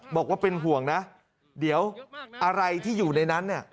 บอกว่าเป็นห่วงนะเดี๋ยวอะไรที่อยู่ในนั้นเนี่ย